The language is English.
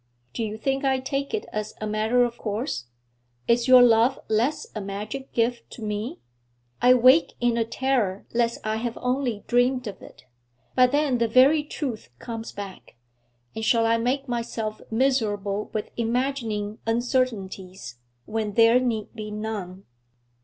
'Do you think I take it as a matter of course? Is your love less a magic gift to me? I wake in a terror lest I have only dreamed of it; but then the very truth comes back, and shall I make myself miserable with imagining uncertainties, when there need be none?'